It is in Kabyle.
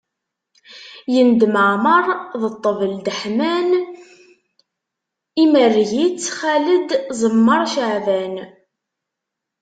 Yendem Ɛmeṛ, D Ṭṭbel Deḥman, Imerreg-itt Xaled, Ẓemmer Ceɛban.